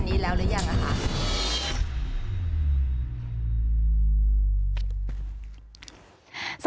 มีความรู้สึกว่า